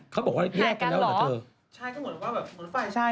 เขาบอกว่าแยกกันแล้วเหรอเธอใช่ก็เหมือนว่าแบบเหมือนฝ่ายชาย